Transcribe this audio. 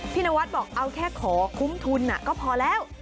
นวัดบอกเอาแค่ขอคุ้มทุนก็พอแล้ว